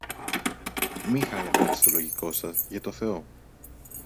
μη χάνετε έτσι το λογικό σας, για το Θεό!